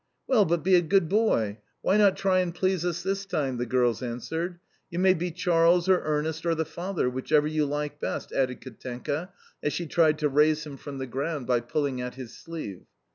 "Well, but be a good boy. Why not try and please us this time?" the girls answered. "You may be Charles or Ernest or the father, whichever you like best," added Katenka as she tried to raise him from the ground by pulling at his sleeve.